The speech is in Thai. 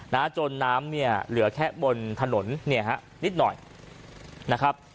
นะจนน้ำเนี่ยเหลือแค่บนถนนเนี่ยฮะนิดหน่อยนะครับ